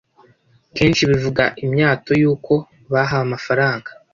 kenshi bivuga imyato y’uko bahawe amafaranga